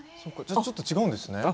ちょっと違うんですね。